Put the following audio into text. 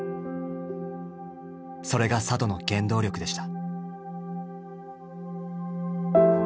それが里の原動力でした。